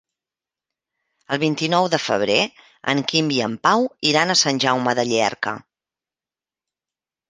El vint-i-nou de febrer en Quim i en Pau iran a Sant Jaume de Llierca.